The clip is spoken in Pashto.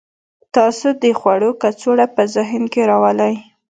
تاسو د خوړو کڅوړه په ذهن کې راولئ